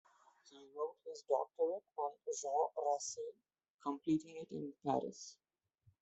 He wrote his doctorate on Jean Racine, completing it in Paris.